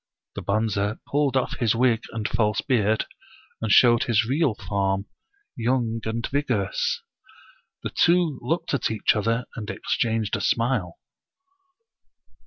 The Bonze pulled off his wig and false beard, and showed his real form, young and vigorous. The two looked at each other and exchanged a smile.